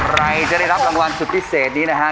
ใครจะได้รับรางวัลสุดพิเศษนี้นะฮะ